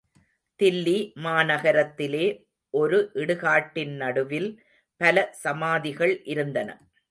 தில்லி மாநகரத்திலே ஒரு இடுகாட்டின் நடுவில் பல சமாதிகள் இருந்தன.